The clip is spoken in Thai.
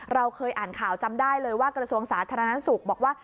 เราเคยอ่านข่าวจำได้เลยว่ากระทรวงสาธารณสุขบอกว่า